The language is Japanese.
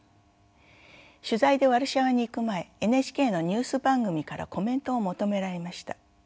取材でワルシャワに行く前ＮＨＫのニュース番組からコメントを求められました。